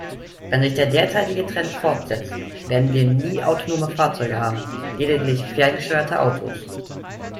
Wenn sich der derzeitige Trend fortsetzt, werden wir nie autonome Fahrzeuge haben, lediglich ferngesteuerte Autos.